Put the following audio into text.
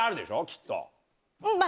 きっと。